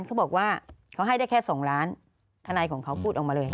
เขาบอกว่าเขาให้ได้แค่๒ล้านทนายของเขาพูดออกมาเลย